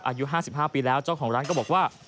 อายุ๕๕ปีแล้วเจ้าของร้านก็บอกว่า